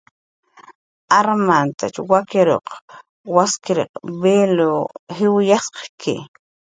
Armat wakr waskiriq vil jiwaqki